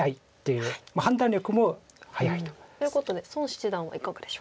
判断力も早いと。ということで孫七段はいかがでしょうか？